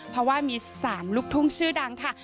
เพราะว่ามี๓ลูกทุ่งชื่อดังค่ะ